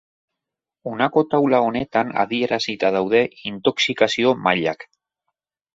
Honako taula honetan adierazita daude intoxikazio-mailak.